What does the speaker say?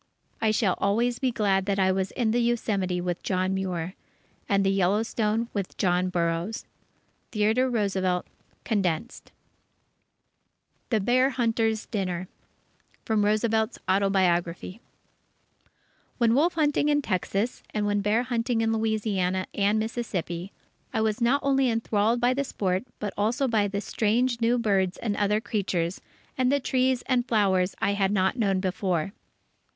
I shall always be glad that I was in the Yosemite with John Muir, and in the Yellowstone with John Burroughs. Theodore Roosevelt (Condensed) THE BEAR HUNTERS' DINNER From Roosevelt's Autobiography When wolf hunting in Texas, and when bear hunting in Louisiana and Mississippi, I was not only enthralled by the sport but also by the strange new birds and other creatures, and the trees and flowers I had not known before.